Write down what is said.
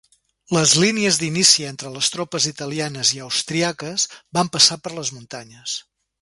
Les línies d’inici entre les tropes italianes i austríaques van passar per les muntanyes.